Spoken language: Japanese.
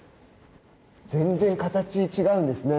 全然形が違うんですね